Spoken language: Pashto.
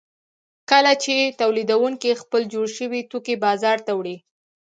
کله چې تولیدونکي خپل جوړ شوي توکي بازار ته وړي